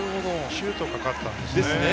シュートかかったんですね。